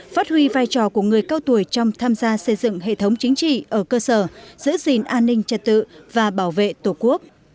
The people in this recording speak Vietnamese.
phát huy vai trò của người cao tuổi trong tham gia xây dựng hệ thống chính trị ở cơ sở giữ gìn an ninh trật tự và bảo vệ tổ quốc